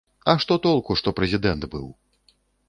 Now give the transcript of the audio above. А што толку, што прэзідэнт быў?